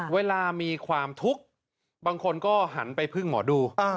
เวลามีความทุกข์บางคนก็หันไปพึ่งหมอดู